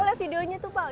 aku lihat videonya tuh pak